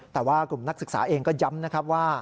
แต่ว่ากลุ่มนักศึกษาเองก็ย้ำนะครับว่า